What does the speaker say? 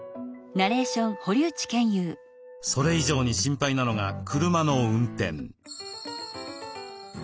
それ以上に心配なのが車の運転。